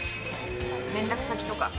連絡先とか。